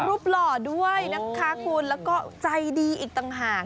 หล่อด้วยนะคะคุณแล้วก็ใจดีอีกต่างหาก